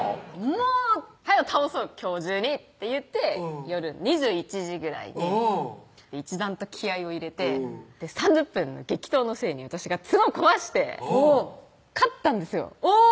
「もう早よ倒そう今日中に」って言って夜２１時ぐらいにうん一段と気合いを入れて３０分の激闘の末に私が角を壊して勝ったんですよおぉ！